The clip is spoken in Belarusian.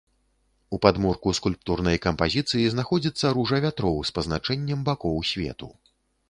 У падмурку скульптурнай кампазіцыі знаходзіцца ружа вятроў з пазначэннем бакоў свету.